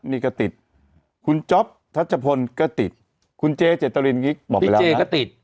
นี่ก็ติดคุณจ๊อปทัชพลก็ติดคุณเจเจตรินกิ๊กบอกพี่เจก็ติด